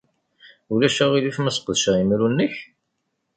Ulac aɣilif ma sqedceɣ imru-nnek?